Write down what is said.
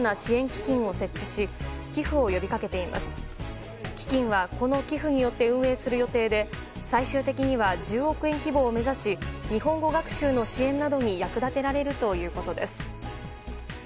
基金はこの寄付によって運営する予定で最終的には１０億円規模を目指し日本語学習の支援などに役立てられるということです。